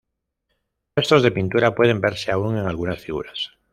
Restos de pintura pueden verse aún en algunas figuras.